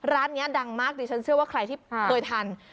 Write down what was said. ร้านนี้ดังมากดิฉันเชื่อว่าใครที่เคยทาน